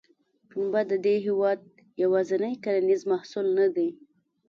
پنبه د دې هېواد یوازینی کرنیز محصول نه دی.